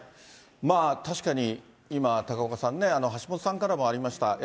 確かに今、高岡さんね、橋下さんからもありました、